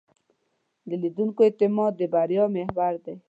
د لیدونکو اعتماد د بریا محور دی.